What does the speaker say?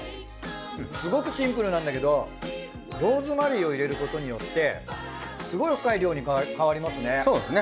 すごくシンプルなんだけどローズマリーを入れることによってすごい深い料理に変わりますね。